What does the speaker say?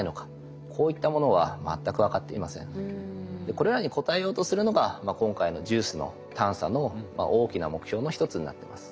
これらに答えようとするのが今回のＪＵＩＣＥの探査の大きな目標の一つになってます。